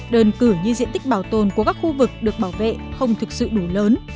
đơn cử như diện tích bảo tồn của các khu vực được bảo vệ không thực sự đủ lớn